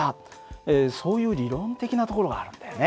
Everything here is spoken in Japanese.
そういう理論的なところがあるんだよね。